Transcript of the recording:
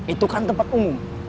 itu kan tempat umum